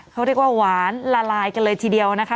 เขาเรียกว่าหวานละลายกันเลยทีเดียวนะคะ